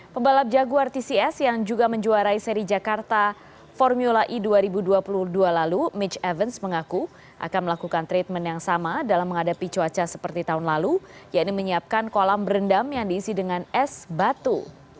pembalap jagu rtcs yang juga menjuarai seri jakarta formula e dua ribu dua puluh dua lalu mitch evans mengaku akan melakukan treatment yang sama dalam menghadapi cuaca seperti tahun lalu yaitu menyiapkan kolam berendam yang diisi dengan es batu